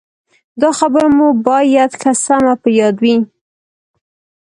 دا خبره مو باید ښه سمه په یاد وي.